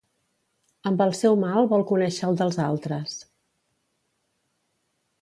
Amb el seu mal vol conèixer el dels altres.